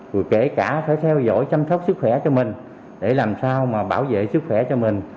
rồi kể cả phải theo dõi chăm sóc sức khỏe cho mình để làm sao mà bảo vệ sức khỏe cho mình